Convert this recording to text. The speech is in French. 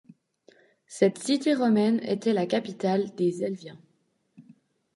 Cette cité romaine était la capitale des Helviens.